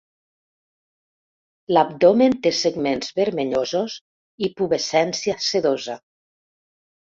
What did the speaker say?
L'abdomen té segments vermellosos i pubescència sedosa.